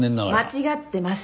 間違ってません。